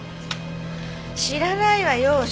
知らないわよ。